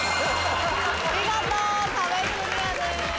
見事壁クリアです。